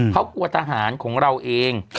เขากลัวทหารของเราเอง